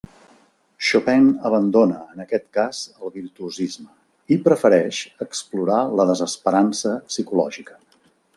Chopin abandona en aquest cas el virtuosisme i prefereix explorar la desesperança psicològica.